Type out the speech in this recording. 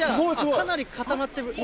かなり固まってる。